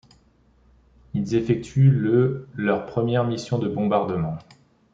Ils effectuent le leur première mission de bombardement.